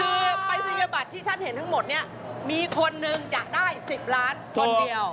คือปรายศนียบัตรที่ท่านเห็นทั้งหมดเนี่ยมีคนนึงจะได้๑๐ล้านคนเดียว